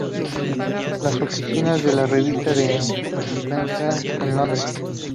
Las oficinas de la revista se encuentran en Londres.